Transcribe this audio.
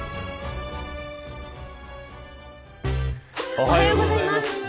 おはようございます。